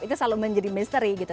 itu selalu menjadi misteri gitu